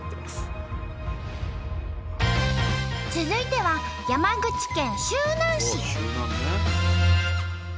続いては山口県周南市。